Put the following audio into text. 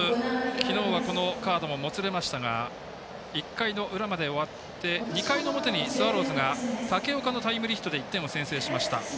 昨日は、このカードもつれましたが１回の裏まで終わって２回表にスワローズが武岡のタイムリーヒットで１点を先制しました。